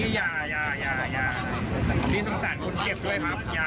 พี่ยายายายาพี่สังสารคนเก็บด้วยครับยา